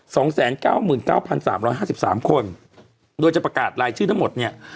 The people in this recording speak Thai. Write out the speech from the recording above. สองแสนเก้าหมื่นเก้าพันสามร้อยห้าสิบสามคนโดยจะประกาศรายชื่อทั้งหมดเนี้ย